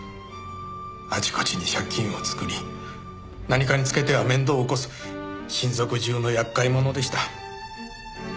あちこちに借金を作り何かにつけては面倒を起こす親族中の厄介者でした。